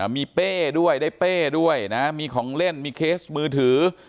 มีเป้ด้วยได้เป้ด้วยนะมีของเล่นมีเคสมือถือ